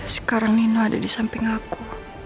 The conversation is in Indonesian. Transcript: sekarang nino ada disamping aku